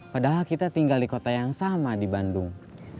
padahal kita tinggal di kota yang sama di bandung